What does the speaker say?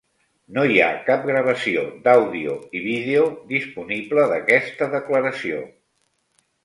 No hi ha cap gravació d'àudio i vídeo disponible d'aquesta declaració.